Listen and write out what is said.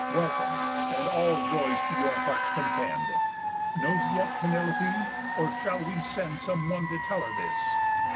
Welcome, and all joys to your heart contend. Knows yet Penelope? Or shall we send Some one to tell her this?"